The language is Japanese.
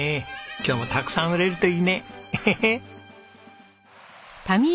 今日もたくさん売れるといいね。